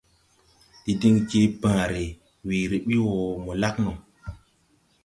Ndi din je bããre, weere bi wɔ mo lag no.